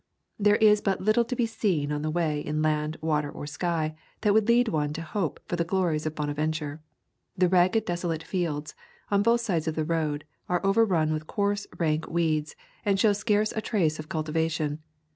There is but little to be seen on the way in land, water, or sky, that would lead one to hope for the glories of Bonaventure. The ragged desolate fields, on both sides of the road, are overrun with coarse rank weeds, and show scarce a trace of cultivation.